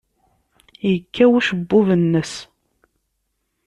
Yekkaw ucebbub-nnes.